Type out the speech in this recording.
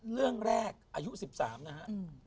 เรื่องแรกอายุ๑๓นะฮะ